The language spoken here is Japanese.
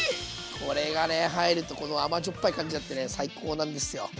これがね入るとこの甘じょっぱい感じになってね最高なんですよ。